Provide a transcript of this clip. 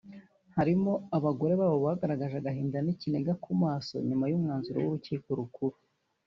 harimo abagore babo bagaragaje agahinda n’ikiniga ku maso nyuma y’umwanzuro w’Urukiko Rukuru